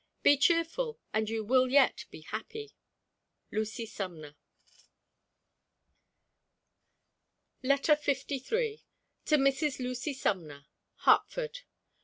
Be cheerful, and you will yet be happy. LUCY SUMNER. LETTER LIII. TO MRS. LUCY SUMNER. HARTFORD.